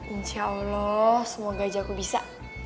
insya allah semoga aja aku bisa